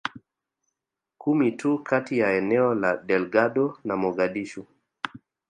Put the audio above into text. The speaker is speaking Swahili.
kumi tu kati ya eneo la Delgado na Mogadishu